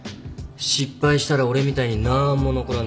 失敗したら俺みたいになーんも残らねえぞ。